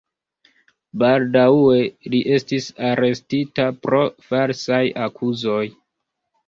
Baldaŭe li estis arestita pro falsaj akuzoj.